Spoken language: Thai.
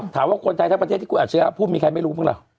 ถามว่าคนใจที่อาจจะเชื้อพูดมีใครไม่รู้เพียงแล้ว